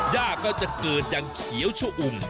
ย่าก็จะเกิดอย่างเขียวชะอุ่ม